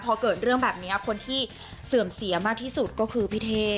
พอเกิดเรื่องแบบนี้คนที่เสื่อมเสียมากที่สุดก็คือพี่เท่